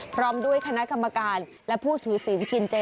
พร้อมด้วยคณะกรรมการและผู้ถือศีลกินเจ